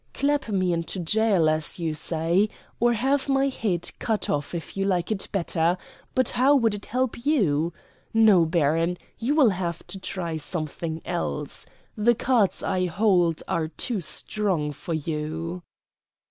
Clap me into jail as you say, or have my head cut off if you like it better, but how would it help you? No, baron, you will have to try something else. The cards I hold are too strong for you."